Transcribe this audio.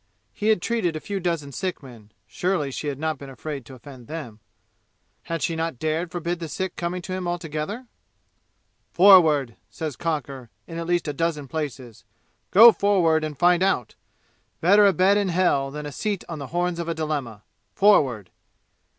He had treated a few dozen sick men, surely she had not been afraid to offend them. Had she not dared forbid the sick coming to him altogether? "Forward!" says Cocker, in at least a dozen places. "Go forward and find out! Better a bed in hell than a seat on the horns of a dilemma! Forward!"